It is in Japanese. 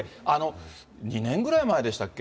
２年ぐらい前でしたっけ？